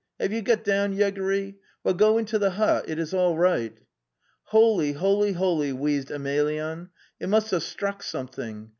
. Have you got down, Yegory? Well, go into the buesiitius all righty) Holy, holy, holy!" wheezed Emelyan, " it must have struck something.